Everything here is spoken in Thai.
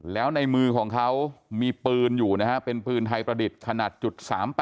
แล้วในมือของเขามีปืนอยู่นะฮะเป็นปืนไทยประดิษฐ์ขนาด๓๘